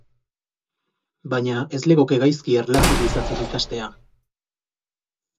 Baina ez legoke gaizki erlatibizatzen ikastea.